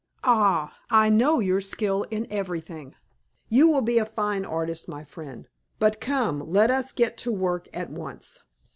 Ah, I know your skill in everything. You will be a fine artist, my friend! But come, let us get to work at once."